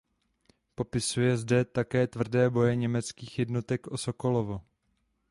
Popisuje zde také tvrdé boje německých jednotek o Sokolovo.